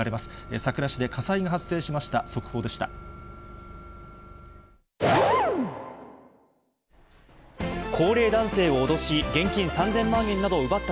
佐倉市で火災が発生しました。